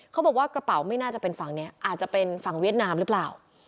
เขาบอกว่ากระเป๋าไม่น่าจะเป็นฝั่งนี้อาจจะเป็นฝั่งเวียดนามหรือเปล่า